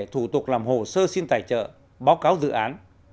thủ tục làm hồ sơ xin tài trợ báo cáo dự án